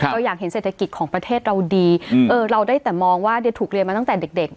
เราอยากเห็นเศรษฐกิจของประเทศเราดีเราได้แต่มองว่าเดี๋ยวถูกเรียนมาตั้งแต่เด็ก